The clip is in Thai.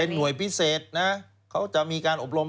เป็นหน่วยพิเศษเขาจะมีการอบรม